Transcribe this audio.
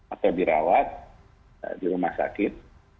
atau dirawat di rumah sakit